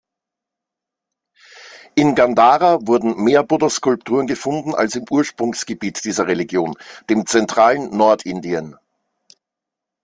In Gandhara wurden mehr Buddha-Skulpturen gefunden als im Ursprungsgebiet dieser Religion, dem zentralen Nordindien.